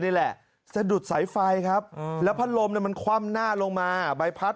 นี่แหละสะดุดสายไฟครับแล้วพัดลมมันคว่ำหน้าลงมาใบพัด